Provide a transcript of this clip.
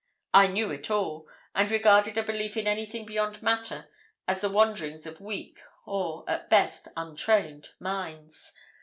I 'knew it all,' and regarded a belief in anything beyond matter as the wanderings of weak, or at best, untrained minds.